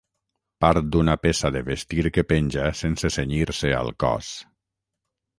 Part d'una peça de vestir que penja sense cenyir-se al cos.